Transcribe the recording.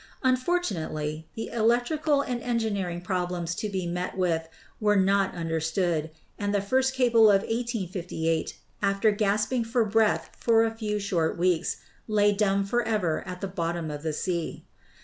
Unfortunately, the electrical and engineering problems to be met with were not understood; and the first cable of 1858, after gasping for breath for a few short weeks, lay dumb forever at the bottom of the sea.